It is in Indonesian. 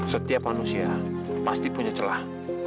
setiap manusia pasti punya celah